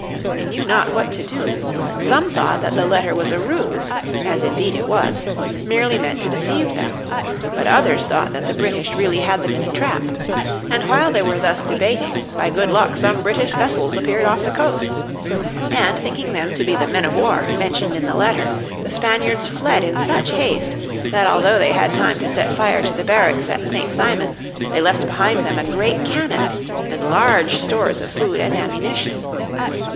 They knew not what to do. Some thought that the letter was a ruse (as indeed it was) merely meant to deceive them. But others thought that the British really had them in a trap. And while they were thus debating by good luck some British vessels appeared off the coast. And thinking them to be the men of war mentioned in the letter the Spaniards fled in such haste that although they had time to set fire to the barracks at St. Simon they left behind them a great cannon and large stores of food and ammunition.